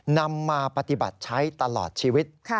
นำมาปฏิบัติใช้ตลอดชีวิต